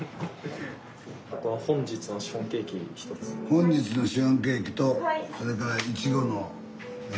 本日のシフォンケーキとそれからいちごのえ